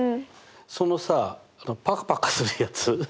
そのさパカパカするやつ